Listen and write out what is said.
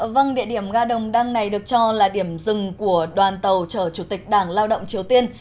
vâng địa điểm ga đồng đăng này được cho là điểm dừng của đoàn tàu chở chủ tịch đảng lao động triều tiên